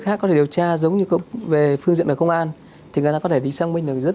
thâm tử thì mình sẽ giống như không về phương diện của công an thì nó có thể đi xong mình được rất